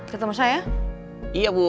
ketemu saya iya bu